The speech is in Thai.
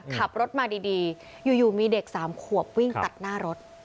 ขับรถมาดีดีอยู่อยู่มีเด็กสามขวบวิ่งตัดหน้ารถ